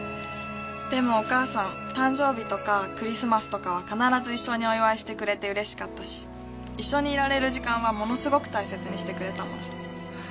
でもお母さん誕生日とかクリスマスとかは必ず一緒にお祝いしてくれてうれしかったし一緒にいられる時間はものすごく大切にしてくれたもん。